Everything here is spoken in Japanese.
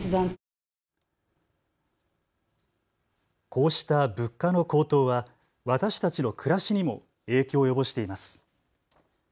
こうした物価の高騰は私たちの暮らしにも影響を及ぼしています。